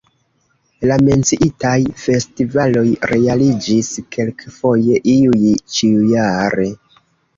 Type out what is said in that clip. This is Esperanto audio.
La menciitaj festivaloj realiĝis kelkfoje, iuj ĉiujare.